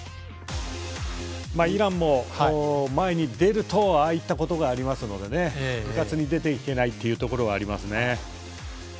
イランも前に出るとああいったことがありますのでうかつに出ていけないところはありますね。